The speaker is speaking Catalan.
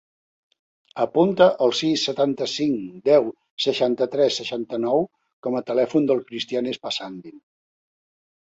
Apunta el sis, setanta-cinc, deu, seixanta-tres, seixanta-nou com a telèfon del Cristián Espasandin.